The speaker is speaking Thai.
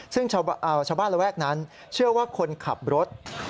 ซึ่งชาวบ้านระแวกนั้นเชื่อว่าคนขับรถ